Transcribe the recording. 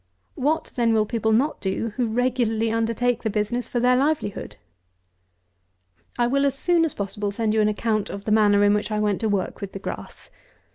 What then will people not do, who regularly undertake the business for their livelihood? I will, as soon as possible, send you an account of the manner in which I went to work with the grass.